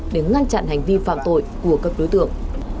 để ngăn chặn hành vi phạm tội của các đối tượng